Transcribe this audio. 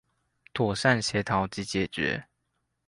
妥善協調及解決